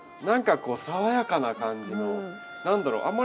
何かこう爽やかな感じの何だろう